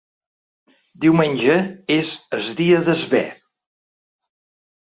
Diumenge és es dia des bè